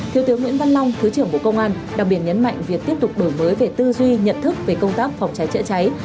thiếu tướng nguyễn văn long thứ trưởng bộ công an đặc biệt nhấn mạnh việc tiếp tục đổi mới về tư duy nhận thức về công tác phòng cháy chữa cháy